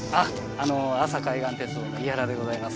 阿佐海岸鉄道の井原でございます